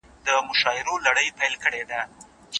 هرڅه بدل دي، د زمان رنګونه واوښتله